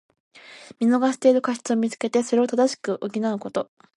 見逃している過失をみつけて、それを正し補うこと。